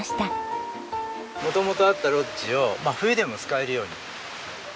元々あったロッジを冬でも使えるように。